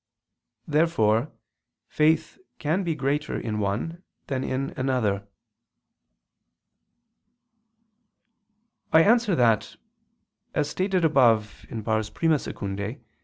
Therefore faith can be greater in one than in another. I answer that, As stated above (I II, Q.